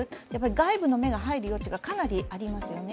外部の目が入る余地がかなりありますよね。